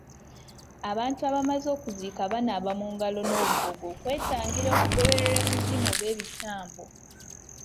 Abantu abamaze okuziika banaaba mu ngalo n'obugogo okwetangira okugobererwa emizimu oba ebitambo.